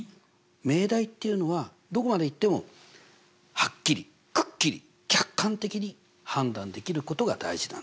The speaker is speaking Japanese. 命題っていうのはどこまでいってもはっきりくっきり客観的に判断できることが大事なんです。